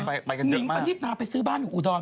ไปกันเยอะมากนิ่งวันนี้นานไปซื้อบ้านอยู่อุดรไหม